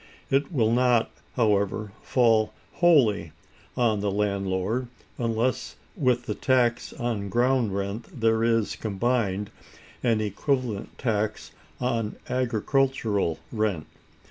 It will not, however, fall wholly on the landlord, unless with the tax on ground rent there is combined an equivalent tax on agricultural rent.